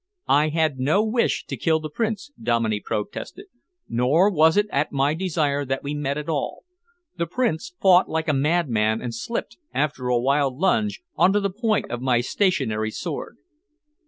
"I had no wish to kill the Prince," Dominey protested, "nor was it at my desire that we met at all. The Prince fought like a madman and slipped, after a wild lunge, on to the point of my stationary sword."